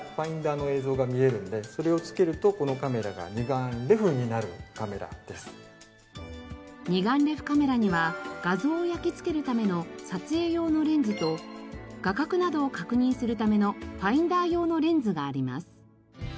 後ろの穴の部分に鏡を付けると二眼レフカメラには画像を焼き付けるための撮影用のレンズと画角などを確認するためのファインダー用のレンズがあります。